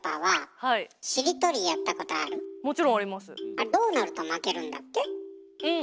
あれどうなると負けるんだっけ？